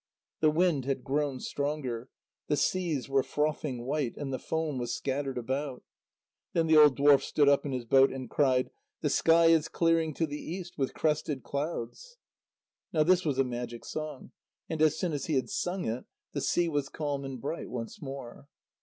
The wind had grown stronger. The seas were frothing white, and the foam was scattered about. Then the old dwarf stood up in his boat and cried: "The sky is clearing to the east with crested clouds." Now this was a magic song, and as soon as he had sung it, the sea was calm and bright once more.